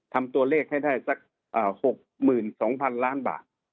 ทำตัวเลขให้ได้สัก๖๒๐๐๐ล้านบาท